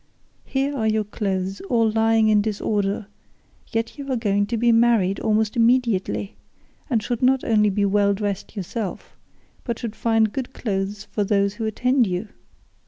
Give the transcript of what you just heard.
Here are your clothes all lying in disorder, yet you are going to be married almost immediately, and should not only be well dressed yourself, but should find good clothes for those who attend you.